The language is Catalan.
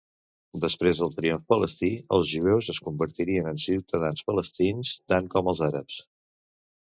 Després del triomf palestí els jueus es convertirien en ciutadans palestins tant com els àrabs.